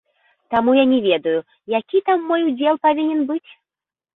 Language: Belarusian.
Таму я не ведаю, які там мой удзел павінен быць?!